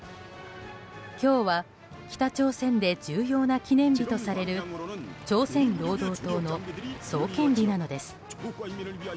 今日は北朝鮮で重要な記念日とされる朝鮮労働党の創建日なのです。